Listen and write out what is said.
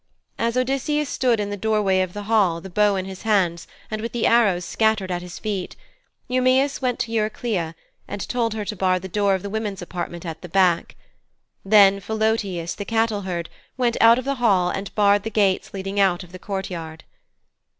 As Odysseus stood in the doorway of the hall, the bow in his hands, and with the arrows scattered at his feet, Eumæus went to Eurycleia, and told her to bar the door of the women's apartment at the back. Then Philœtius, the cattleherd, went out of the hall and barred the gates leading out of the courtyard.